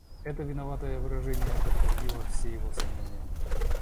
Это виноватое выражение подтвердило все его сомнения.